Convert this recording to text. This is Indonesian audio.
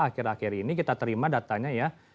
akhir akhir ini kita terima datanya ya